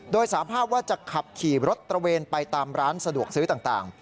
โดยสาภาพว่าจะขับขี่รถตระเวนไปตามร้านสะดวกซื้อต่าง